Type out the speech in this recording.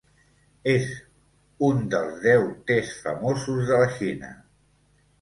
És un dels deu tes famosos de la Xina.